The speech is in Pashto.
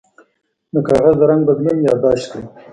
د کاغذ د رنګ بدلون یاد داشت کړئ.